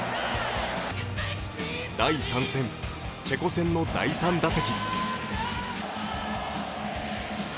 第３戦、チェコ戦の第３打席。